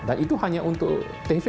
dan itu hanya untuk tv